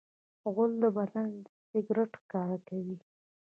غول د بدن سګرټ ښکاره کوي.